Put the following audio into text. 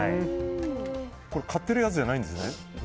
これ、買ってるやつじゃないんですね？